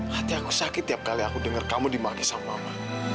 hati aku sakit tiap kali aku dengar kamu dimanggil sama mama